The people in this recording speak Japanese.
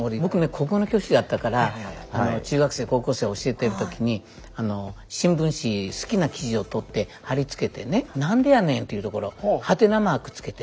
国語の教師だったから中学生高校生教えてる時に新聞紙好きな記事を取って貼り付けてね「何でやねん」っていうところはてなマーク付けて。